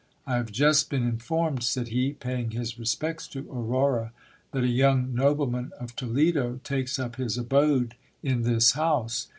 I have just been informed, said he, paying his respects to Aurora, that a young nobleman of Toledo takes up his abode in this house.